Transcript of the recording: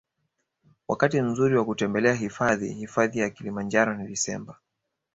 Wakati mzuri wa kutembelea hifadhi hifadhi ya kilimanjaro ni desemba